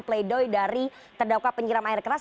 play doh dari terdakwa penyiram air keras